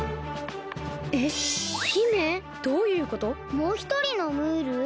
もうひとりのムール？